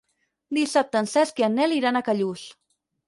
Dissabte en Cesc i en Nel iran a Callús.